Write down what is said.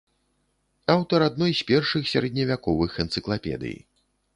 Аўтар адной з першых сярэдневяковых энцыклапедый.